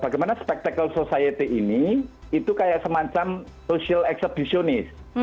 bagaimana spektakle sosial ini seperti sosial ekspedisi